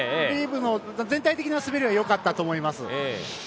リーブの全体的な滑りは良かったと思います。